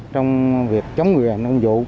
trong việc chống người hành động vụ